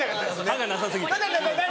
歯がなさ過ぎて。